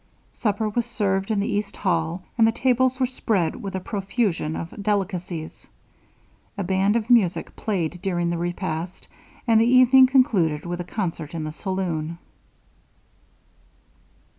Supper was served in the east hall, and the tables were spread with a profusion of delicacies. A band of music played during the repast, and the evening concluded with a concert in the saloon.